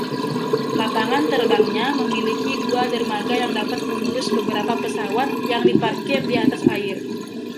Lapangan terbangnya memiliki dua dermaga yang dapat mengurus beberapa pesawat yang diparkir di atas air.